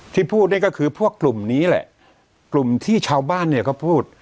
ที่พูดนี่ก็คือพวกกลุ่มนี้แหละกลุ่มที่ชาวบ้านเนี่ยเขาพูด